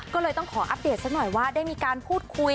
ก็เลยต้องขออัปเดตสักหน่อยว่าได้มีการพูดคุย